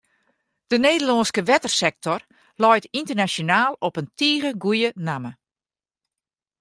De Nederlânske wettersektor leit ynternasjonaal op in tige goede namme.